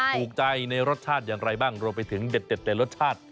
ถูกใจในรสชาติอย่างไรบ้างรวมไปถึงเด็ดแต่รสชาติ